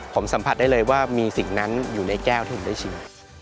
ผมสัมผัสได้เลยว่ามีสิ่งนั้นอยู่ในแก้วที่ผมได้ชิม